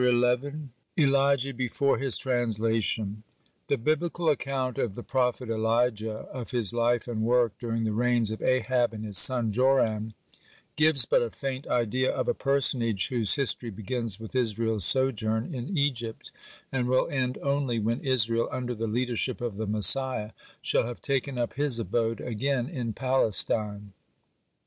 ELIJAH ELIJAH BEFORE HIS TRANSLATION The Biblical account of the prophet Elijah, (1) of his life and work during the reigns of Ahab and his son Joram, gives but a faint idea of a personage whose history begins with Israel's sojourn in Egypt, and will end only when Israel, under the leadership of the Messiah, shall have taken up his abode again in Palestine.